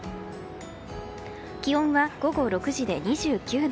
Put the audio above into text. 気温は、午後６時で２９度。